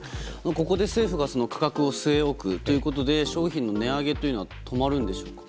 ここで政府が価格を据え置くということで商品の値上げというのは止まるんでしょうか。